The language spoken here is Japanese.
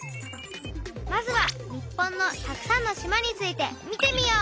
まずは「日本のたくさんの島」について見てみよう。